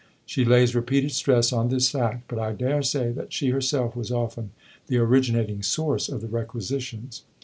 (She lays repeated stress on this fact, but I daresay that she herself was often the originating source of the requisitions.